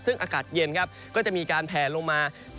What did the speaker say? ซึ่งอากาศเย็นครับก็จะมีการแผลลงมา